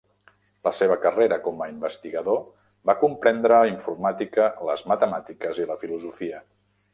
La seva carrera com a investigador va comprendre informàtica, les matemàtiques i la filosofia.